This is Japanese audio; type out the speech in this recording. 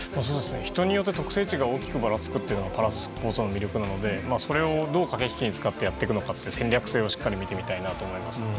人によって特性というのが大きくばらつくというのがパラスポーツの魅力なのでそれをどう駆け引きに使ってやっていくのかという戦略性を見てみたいなと思います。